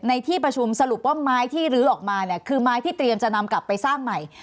ในที่ประชุมสรุปว่าไม้ที่ลื้อออกมาเนี่ยคือไม้ที่เตรียมจะนำกลับไปสร้างใหม่